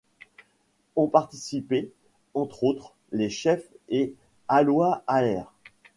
Ont participé, entre autres, les chefs et Alois Haller.